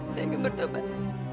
saya akan bertobat